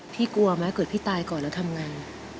พี่กลัวแม้เกิดพี่ตายก่อนแล้วทำงาน